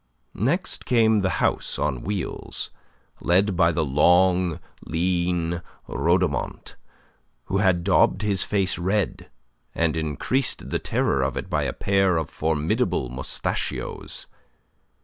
Next came the house on wheels, led by the long, lean Rhodomont, who had daubed his face red, and increased the terror of it by a pair of formidable mostachios.